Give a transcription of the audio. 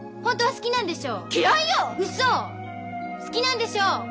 好きなんでしょ！